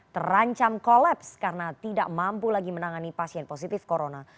terancam kolaps karena tidak mampu lagi menangani pasien positif corona